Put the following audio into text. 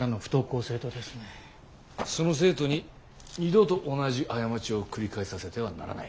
その生徒に二度と同じ過ちを繰り返させてはならない。